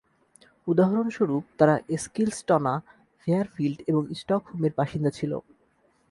উদাহরণস্বরূপ, তারা এস্কিলস্টনা, ফেয়ারফিল্ড এবং স্টকহোমের বাসিন্দা ছিল।